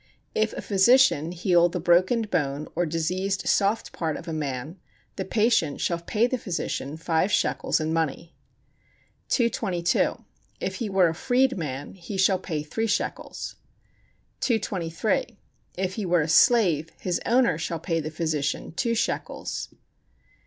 If a physician heal the broken bone or diseased soft part of a man, the patient shall pay the physician five shekels in money. 222. If he were a freed man he shall pay three shekels. 223. If he were a slave his owner shall pay the physician two shekels.